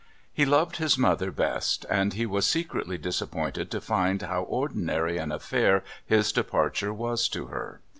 He loved his mother best, and he was secretly disappointed to find how ordinary an affair his departure was to her.